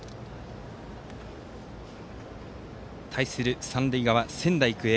対する三塁側の仙台育英。